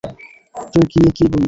তুই গিয়ে কী বললি?